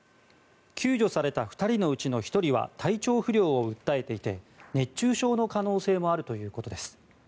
救助された２人のうちの１人は体調不良を訴えていて熱中症の可能性もあるということです。